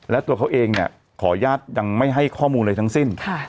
และตัวเขาเองเนี่ยขออนุญาตยังไม่ให้ข้อมูลอะไรทั้งสิ้น